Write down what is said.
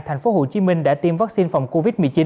tp hcm đã tiêm vaccine phòng covid một mươi chín